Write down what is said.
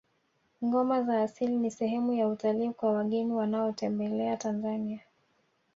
ngoma za asili ni sehemu ya utalii kwa wageni wanaotembelea tanzania